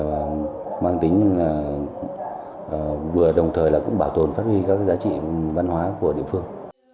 và mang tính là vừa đồng thời là cũng bảo tồn phát huy các giá trị văn hóa của địa phương